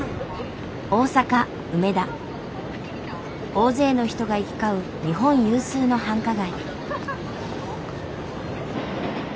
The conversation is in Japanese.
大勢の人が行き交う日本有数の繁華街。